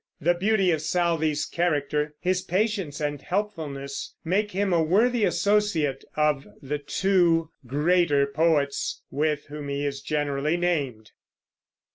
The beauty of Southey's character, his patience and helpfulness, make him a worthy associate of the two greater poets with whom he is generally named.